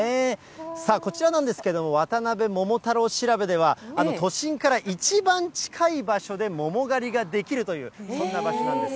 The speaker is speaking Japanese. さあ、こちらなんですけれども、渡辺桃太郎調べでは、都心から一番近い場所で、桃狩りができるという、そんな場所なんです。